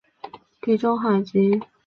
分布于地中海及东大西洋。